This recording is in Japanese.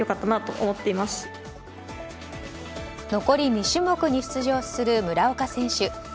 残り２種目に出場する村岡選手。